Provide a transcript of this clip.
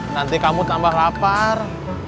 nanti kamu tambah lapar